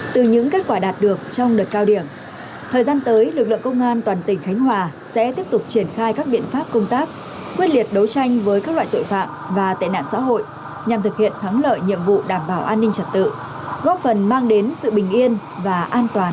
từ những kết quả đạt được trong đợt cao điểm thời gian tới lực lượng công an toàn tỉnh khánh hòa sẽ tiếp tục triển khai các biện pháp công tác quyết liệt đấu tranh với các loại tội phạm và tệ nạn xã hội nhằm thực hiện thắng lợi nhiệm vụ đảm bảo an ninh trật tự góp phần mang đến sự bình yên và an toàn